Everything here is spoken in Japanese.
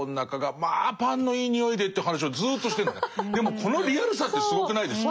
でもこのリアルさってすごくないですか。